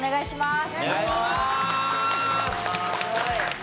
すごい。